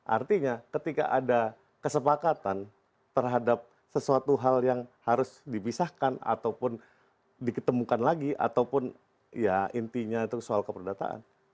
artinya ketika ada kesepakatan terhadap sesuatu hal yang harus dibisahkan ataupun diketemukan lagi ataupun ya intinya itu soal keperdataan